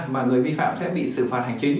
mà người vi phạm sẽ bị xử phạt hành chính